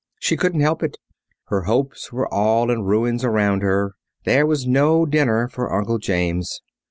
She couldn't help it. Her hopes were all in ruins around her. There was no dinner for Uncle James.